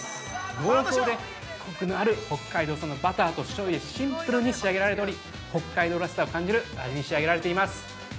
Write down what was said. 濃厚でコクのある北海道産のバターと醤油でシンプルに仕上げられており、北海道らしさを感じる味に仕上げられています。